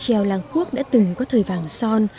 trèo làng quốc đã từng có thời vàng sau